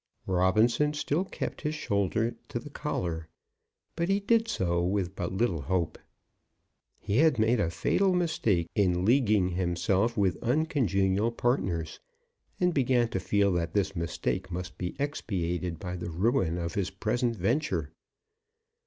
Robinson still kept his shoulder to the collar, but he did so with but little hope. He had made a fatal mistake in leaguing himself with uncongenial partners, and began to feel that this mistake must be expiated by the ruin of his present venture.